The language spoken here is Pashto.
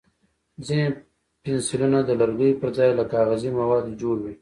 ځینې پنسلونه د لرګیو پر ځای له کاغذي موادو جوړ وي.